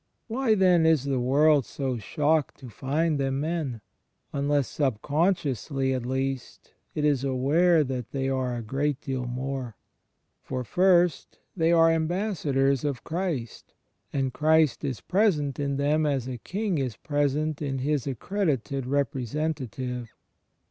Why, then, is the world so shocked to find them men, imless subconsciously at least it is aware that they are a great deal more? For, first, they are Ambassadors of Christ; and Christ is present in them as a King is present in his accredited Representative.